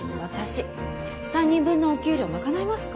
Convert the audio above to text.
３人分のお給料賄えますか？